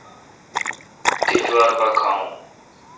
تے°جوار پا کھاوون۔